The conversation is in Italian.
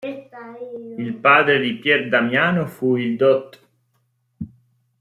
Il padre di Pier Damiano fu il dott.